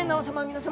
皆様。